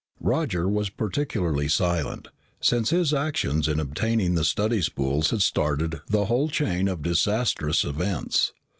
Roger was particularly silent, since his actions in obtaining the study spools had started the whole chain of disastrous events.